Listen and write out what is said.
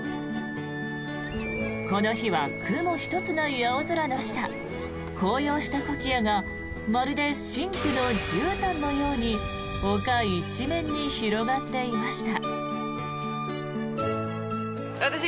この日は雲一つない青空の下紅葉したコキアがまるで深紅のじゅうたんのように丘一面に広がっていました。